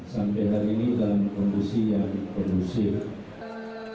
sampai hari ini dalam kondisi yang kondusif